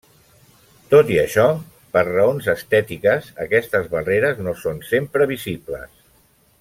Tot i això, per raons estètiques, aquestes barreres no són sempre visibles.